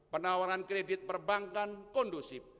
penawaran kredit perbankan kondusif